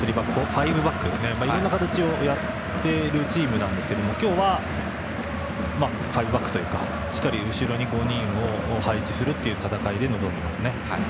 ファイブバックいろんな形をやっているチームなんですが今日はファイブバックというかしっかり後ろに５人を配置する戦いで臨んでいますね。